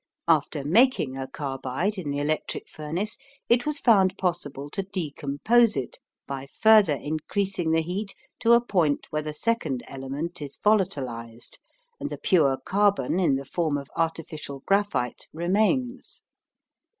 After making a carbide in the electric furnace it was found possible to decompose it by further increasing the heat to a point where the second element is volatilized and the pure carbon in the form of artificial graphite remains.